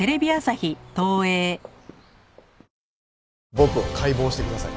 僕を解剖してください。